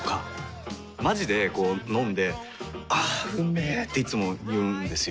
まじでこう飲んで「あーうんめ」っていつも言うんですよ。